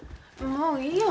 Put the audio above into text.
もういいよ。